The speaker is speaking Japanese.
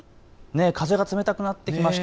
風が冷たくなってきました。